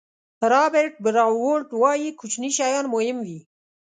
رابرټ براولټ وایي کوچني شیان مهم وي.